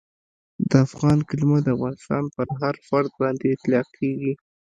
د افغان کلیمه د افغانستان پر هر فرد باندي اطلاقیږي.